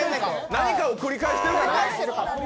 何かを繰り返してるかな。